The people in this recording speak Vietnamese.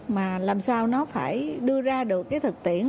mà làm sao nó phải đưa ra được cái thực tiễn